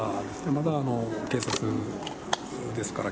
まだ警察ですから。